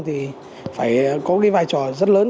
thì phải có cái vai trò rất lớn